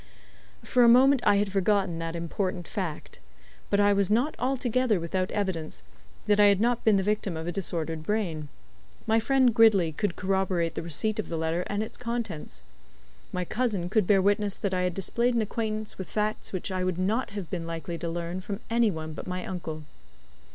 For a moment I had forgotten that important fact. But I was not altogether without evidence that I had not been the victim of a disordered brain. My friend Gridley could corroborate the receipt of the letter and its contents. My cousin could bear witness that I had displayed an acquaintance with facts which I would not have been likely to learn from any one but my uncle.